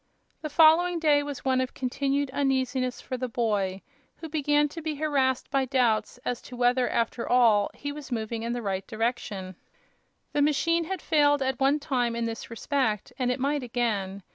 The following day was one of continued uneasiness for the boy, who began to be harrassed by doubts as to whether, after all, he was moving in the right direction. The machine had failed at one time in this respect and it might again.